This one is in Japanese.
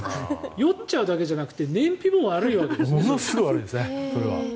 酔っちゃうだけじゃなくてものすごい悪いですね。